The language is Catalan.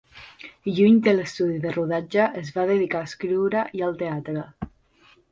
Lluny de l'estudi de rodatge, es va dedicar a escriure i al teatre.